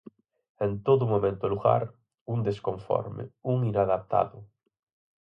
En todo momento e lugar, un desconforme, un inadaptado.